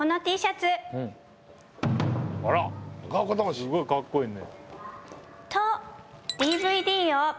すごいかっこいいね。